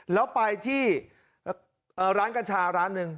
แล้วไปที่ร้านกัญชาร้านหนึ่ง